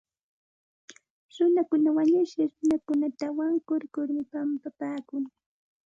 Runakuna wañushqa runakunata wankurkurmi pampapaakun.